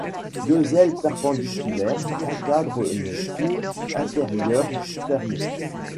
Deux ailes perpendiculaires encadrent une cour intérieure fermée.